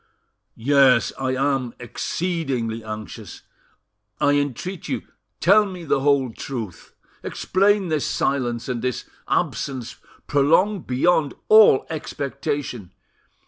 "Yes, I am exceedingly anxious; I entreat you, tell me the whole truth. Explain this silence, and this absence prolonged beyond all expectation.